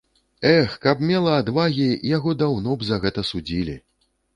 Эх, каб мела адвагі, яго даўно б за гэта судзілі!